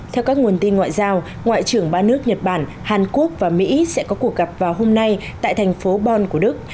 theo các nguồn tin ngoại giao ngoại trưởng ba nước nhật bản hàn quốc và mỹ sẽ có cuộc gặp vào hôm nay tại thành phố bon của đức